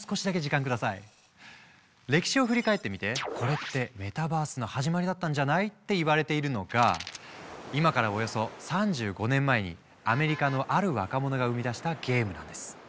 歴史を振り返ってみてこれってメタバースの始まりだったんじゃない？って言われているのが今からおよそ３５年前にアメリカのある若者が生み出したゲームなんです。